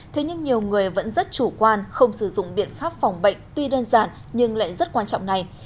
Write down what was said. thế nhưng nhiều người vẫn rất chủ quan không sử dụng biện pháp phòng bệnh tuy đơn giản nhưng lại rất quan trọng này